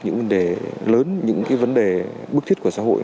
những vấn đề lớn những cái vấn đề bức thiết của xã hội